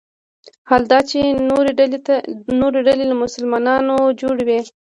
حال دا چې نورې ډلې له مسلمانانو جوړ وي.